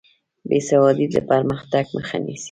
بې سوادي د پرمختګ مخه نیسي.